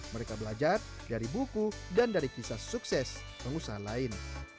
mereka belajar dari buku dan dari kisah sukses pengusaha lain